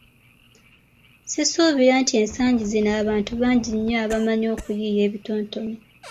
Sisuubira nti ensangi zino abantu bangi nnyo abamanyi okuyiiya ebitontome.